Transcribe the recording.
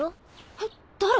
えっ誰？